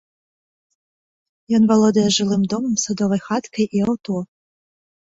Ён валодае жылым домам, садовай хаткай і аўто.